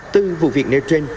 từ vụ việc nơi trở lại